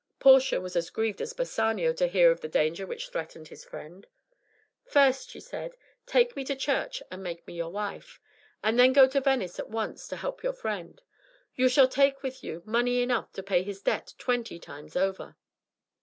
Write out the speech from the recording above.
Portia was as grieved as Bassanio to hear of the danger which threatened his friend. "First," she said, "take me to church and make me your wife, and then go to Venice at once to help your friend. You shall take with you money enough to pay his debt twenty times over."